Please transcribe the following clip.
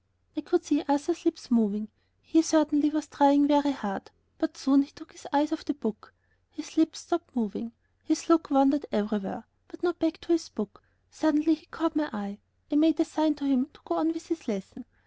I could see Arthur's lips moving. He certainly was trying very hard. But soon he took his eyes off the book; his lips stopped moving. His look wandered everywhere, but not back to his book. Suddenly he caught my eye; I made a sign to him to go on with his lesson.